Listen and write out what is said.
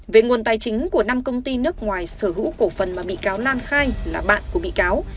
về nguồn tài chính của năm công ty nước ngoài sở hữu cổ phần mà bị cáo lan khai là bạn của bị cáo